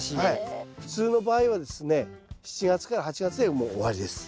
普通の場合はですね７月から８月でもう終わりです。